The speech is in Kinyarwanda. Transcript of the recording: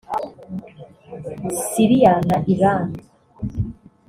Siriya na Iran